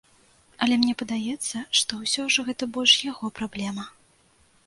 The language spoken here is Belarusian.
Але мне падаецца, што ўсё ж гэта больш яго праблема.